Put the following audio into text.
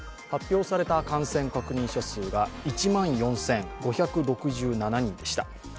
発表された感染確認者数が１万４５６７人でした。